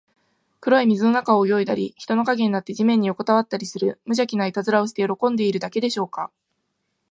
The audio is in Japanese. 黒い水の中を泳いだり、人の影になって地面によこたわったりする、むじゃきないたずらをして喜んでいるだけでしょうか。